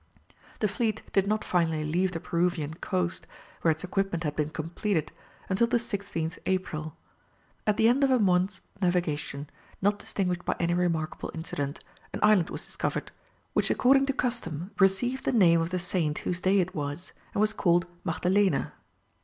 The fleet did not finally leave the Peruvian coast, where its equipment had been completed, until the 16th April. At the end of a month's navigation, not distinguished by any remarkable incident, an island was discovered, which according to custom received the name of the saint whose day it was, and was called Magdalena.